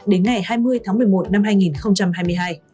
đến ngày hai mươi tháng một mươi một năm hai nghìn hai mươi hai